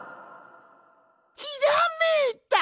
ひらめいた！